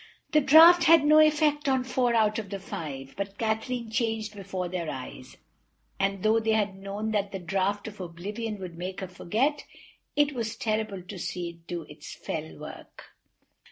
The draught had no effect on four out of the five—but Kathleen changed before their eyes, and though they had known that the draught of oblivion would make her forget, it was terrible to see it do its fell work.